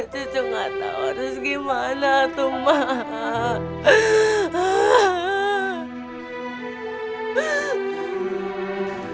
cucu gak tau harus gimana tuh ma